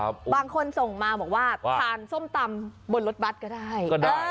บางคนส่งมาบอกว่าทานส้มตำบนรถบัตรก็ได้